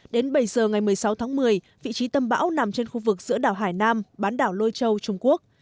đến bảy giờ ngày một mươi sáu tháng một mươi vị trí tâm bão nằm trên khu vực giữa đảo hải nam bán đảo lôi châu trung quốc